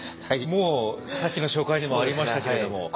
もうさっきの紹介にもありましたけれども。